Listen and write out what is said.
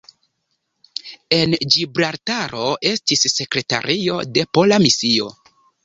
En Ĝibraltaro estis sekretario de pola misio.